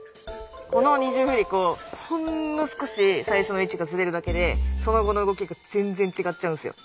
この二重振り子ほんの少し最初の位置がズレるだけでその後の動きが全然違っちゃうんですよ。